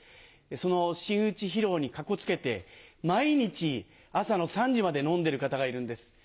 その真打ち披露にかこつけて毎日朝の３時まで飲んでる方がいるんです。